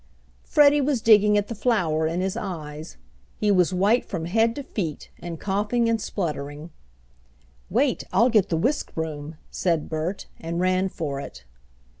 Freddie was digging at the flour in his eyes. He was white from head to feet, and coughing and spluttering. "Wait, I'll get the whisk broom," said Bert, and ran for it.